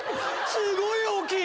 すごい大きい。